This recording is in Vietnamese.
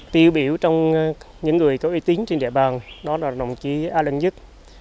tiêu biểu trong những người có uy tín trên địa bàn đó là đồng chí a lăng nhất